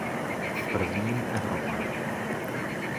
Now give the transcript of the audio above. Prvním Evropanem.